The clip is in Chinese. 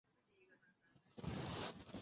於是就没有摘